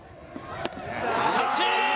三振！